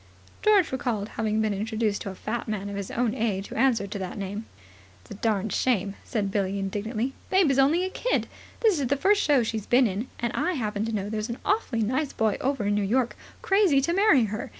George recalled having been introduced to a fat man of his own age who answered to that name. "It's a darned shame," said Billie indignantly. "Babe is only a kid. This is the first show she's been in. And I happen to know there's an awfully nice boy over in New York crazy to marry her.